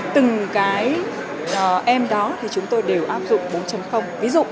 từng cái em đó chúng tôi đều áp dụng bốn